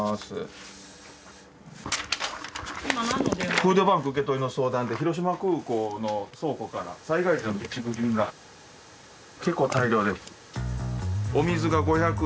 フードバンク受け取りの相談で広島空港の倉庫から災害時の備蓄品が結構大量で。